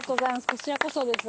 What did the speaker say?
こちらこそです。